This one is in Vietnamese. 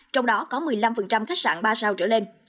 trong đó có một mươi năm khách sạn ba sao trở lên